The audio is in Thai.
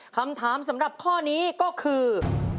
คำถามสำหรับข้อนี้ก็คือ